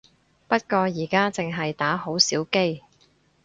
不過而家淨係打好少機